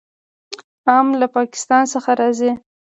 ام له پاکستان څخه راځي.